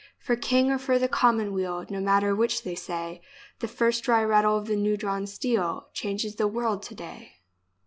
For King or for the Commonweal No matter which they say, The first dry rattle of new drawn steel Changes the world to day